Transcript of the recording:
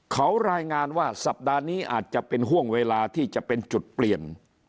เขารายงานว่าสัปดาห์นี้อาจจะเป็นห่วงเวลาที่จะเป็นจุดเปลี่ยน